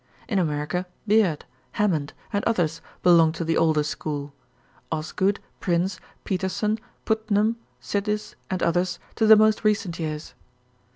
In America Beard, Hammond, and others belong to the older school; Osgood, Prince, Peterson, Putnam, Sidis, and others to the most recent years.